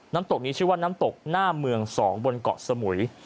น้ำตกนี้ชื่อว่าน้ำตกหน้าเมือง๒บนเกาะสมุย